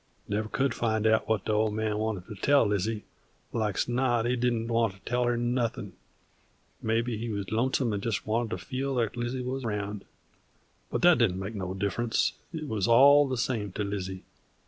Never could find out what the Old Man wanted to tell Lizzie; like 's not he didn't wanter tell her nothin'; maybe he wuz lonesome 'nd jest wanted to feel that Lizzie wuz round. But that didn't make no diff'rence; it wuz all the same to Lizzie.